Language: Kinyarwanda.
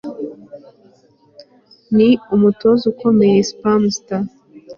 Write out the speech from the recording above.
Ni umutoza ukomeye Spamster